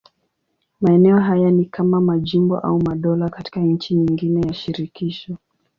Maeneo haya ni kama majimbo au madola katika nchi nyingine ya shirikisho.